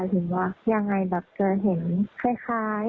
หรือยังไงแบบเจอเห็นเชษฐาย